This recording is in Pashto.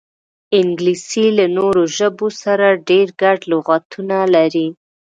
انګلیسي له نورو ژبو سره ډېر ګډ لغاتونه لري